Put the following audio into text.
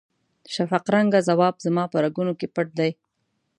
شفق رنګه ځواب زما په رګونو کې پټ دی.